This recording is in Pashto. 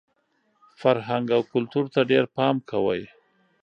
فرهنګ او کلتور ته ډېر پام کوئ!